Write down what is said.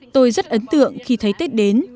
tôi rất ấn tượng khi thấy tết đến